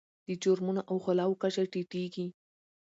د جرمونو او غلاو کچه ټیټیږي.